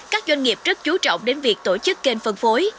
các doanh nghiệp rất chú trọng đến việc tổ chức kênh phân phối